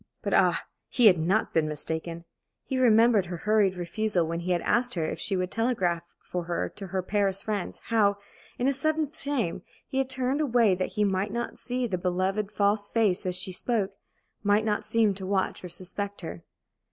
But, ah, he had not been mistaken! He remembered her hurried refusal when he had asked her if he should telegraph for her to her Paris "friends" how, in a sudden shame, he had turned away that he might not see the beloved false face as she spoke, might not seem to watch or suspect her.